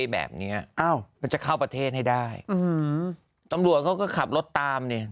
แบบเนี้ยอ้าวมันจะเข้าประเทศให้ได้อืมตำรวจเขาก็ขับรถตามเนี่ย